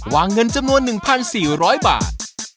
วางเงินจำนวน๑๔๐๐บาท